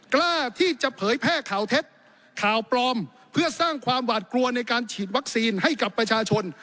กล้าที่จะเผยแพร่ข่าวเท็จข่าวปลอมเพื่อสร้างความหวาดกลัวในการฉีดวัคซีนให้กับประชาชน